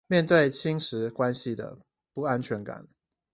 面對侵蝕關係的不安全感